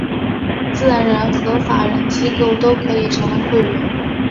自然人和法人机构都可以成为会员。